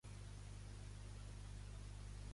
Aquests àcars són aràcnids com aranyes.